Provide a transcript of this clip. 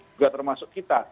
tidak termasuk kita